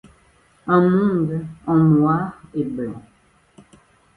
Un monde en noir et blanc.